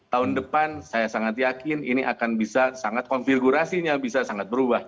tahun depan saya sangat yakin ini akan bisa sangat konfigurasinya bisa sangat berubah